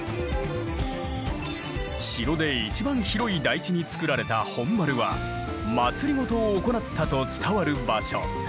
城で一番広い台地に造られた本丸は政を行ったと伝わる場所。